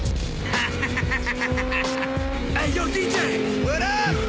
ワハハハハ！